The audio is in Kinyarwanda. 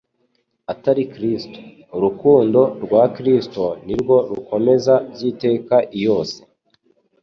atari Kristo. Urukundo rwa Kristo ni rwo rukomeza by'iteka iyose,